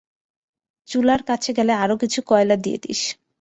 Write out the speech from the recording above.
চুলার কাছে গেলে আরো কিছু কয়লা দিয়ে দিস।